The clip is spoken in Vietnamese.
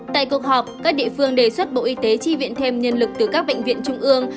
tại cuộc họp các địa phương đề xuất bộ y tế chi viện thêm nhân lực từ các bệnh viện trung ương